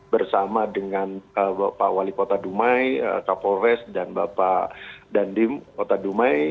bersama dengan pak wali kota dumai kapolres dan bapak dandim kota dumai